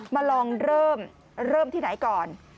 มาลองเริ่มเริ่มที่ไหนก่อน